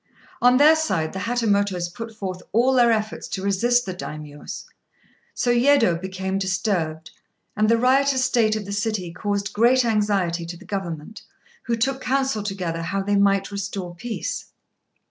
On their side, the Hatamotos put forth all their efforts to resist the Daimios. So Yedo became disturbed, and the riotous state of the city caused great anxiety to the Government, who took counsel together how they might restore peace.